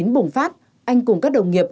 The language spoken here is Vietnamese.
bùng phát anh cùng các đồng nghiệp